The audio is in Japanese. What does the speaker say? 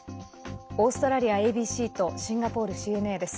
オーストラリアＡＢＣとシンガポールＣＮＡです。